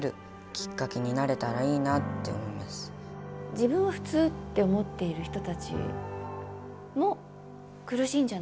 自分は普通って思っている人たちも苦しいんじゃないか。